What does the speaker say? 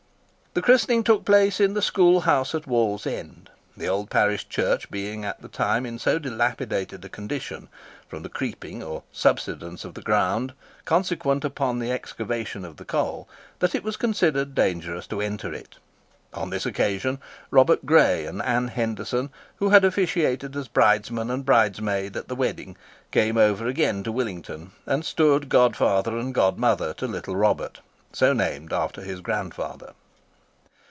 The christening took place in the school house at Wallsend, the old parish church being at the time in so dilapidated a condition from the "creeping" or subsidence of the ground, consequent upon the excavation of the coal, that it was considered dangerous to enter it. On this occasion, Robert Gray and Anne Henderson, who had officiated as bridesman and bridesmaid at the wedding, came over again to Willington, and stood godfather and godmother to little Robert,—so named after his grandfather.